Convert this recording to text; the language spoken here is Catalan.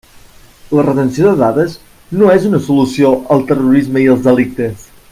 La retenció de dades no és una solució al terrorisme i als delictes!